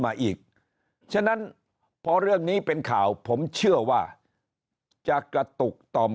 มาอีกฉะนั้นพอเรื่องนี้เป็นข่าวผมเชื่อว่าจะกระตุกต่อม